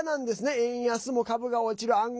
円安も、株が落ちる暗号